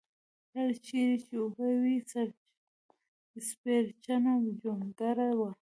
هر چېرې چې اوبه وې سپېرچنه جونګړه وه.